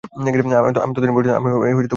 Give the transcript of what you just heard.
হমম, ততদিন পর্যন্ত, আমি মদে হাত লাগাব না।